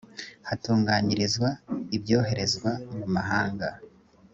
hatunganyirizwa ibyoherezwa mu mahanga